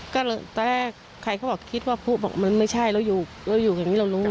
แต่ใครเขาบอกคิดว่าผู้บอกไม่ใช่เราอยู่แบบนี้เรารู้